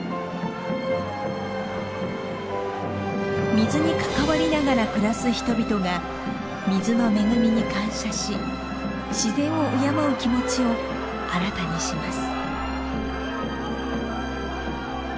水に関わりながら暮らす人々が水の恵みに感謝し自然を敬う気持ちを新たにします。